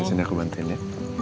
biar sini aku bantuin ya